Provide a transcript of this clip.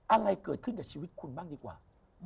อะไรเกิดขึ้นกับชีวิตคุณบ้างดีกว่า